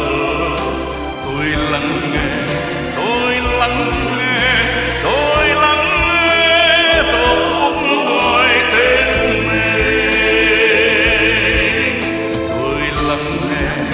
tổ quốc gọi tên